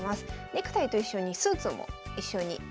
ネクタイと一緒にスーツも一緒に。